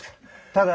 ただ。